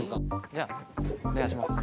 じゃあお願いします。